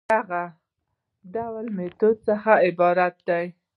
د هغه ډول ميتود څخه عبارت دي